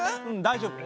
大丈夫。